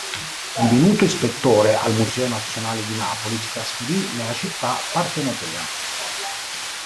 Divenuto ispettore al Museo nazionale di Napoli, si trasferì nella città partenopea.